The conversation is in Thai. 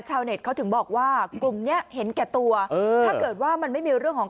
ชาวเน็ตเขาถึงบอกว่ากลุ่มเนี้ยเห็นแก่ตัวเออถ้าเกิดว่ามันไม่มีเรื่องของ